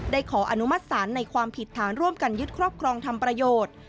ขออนุมัติศาลในความผิดฐานร่วมกันยึดครอบครองทำประโยชน์